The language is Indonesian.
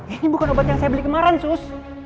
ini bukan obat yang saya beli kemarin sus